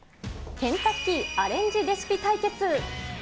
ケンタッキーアレンジレシピ対決。